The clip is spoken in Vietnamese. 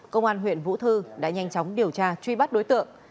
công an huyện vũ thư đã nhanh chóng điều tra truy bắt đối tượng